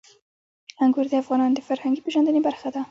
انګور د افغانانو د فرهنګي پیژندنې برخه ده.